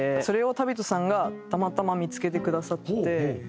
それを旅人さんがたまたま見付けてくださって。